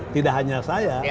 tidak hanya saya